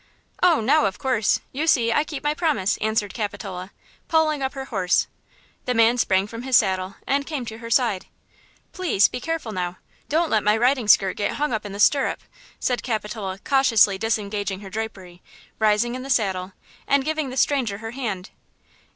"Oh, now, of course; you see, I keep my promise, answered Capitola, pulling up her horse. The man sprang from his saddle and came to her side. "Please be careful now; don't let my riding skirt get hung in the stirrup," said Capitola, cautiously disengaging her drapery, rising in the saddle and giving the stranger her hand.